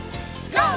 ＧＯ！